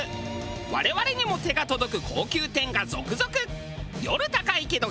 我々にも手が届く高級店が続々！